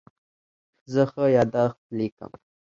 زه ښه یادښت لیکم.